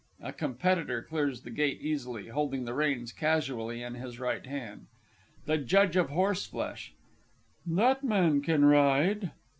[A Competitor clears the gate easily, holding the reins casually in his right hand. THE J. OF H. That man can ride.